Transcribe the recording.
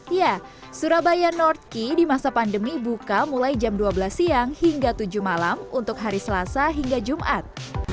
ya surabaya north key di masa pandemi buka mulai jam dua belas siang hingga tujuh malam untuk hari selasa hingga jumat